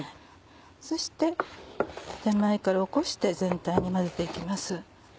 そして手前からおこして全体に混ぜていきます。